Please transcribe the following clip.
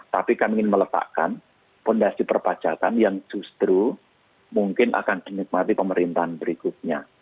tapi kami ingin meletakkan fondasi perpajakan yang justru mungkin akan dinikmati pemerintahan berikutnya